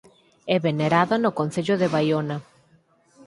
É venerada no concello de Baiona.